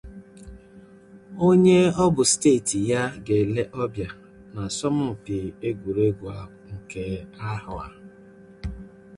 onye ọ bụ steeti ya ga-ele ọbịa n'asọmpi egwuregwu ahụ nke ahọ a